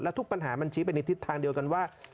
ทุกปัญหามันชี้ไปในทิศทางเดียวกันว่า